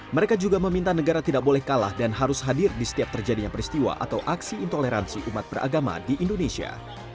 mereka juga meminta negara tidak boleh kalah dan harus hadir di setiap terjadinya peristiwa atau aksi intoleransi umat beragama di indonesia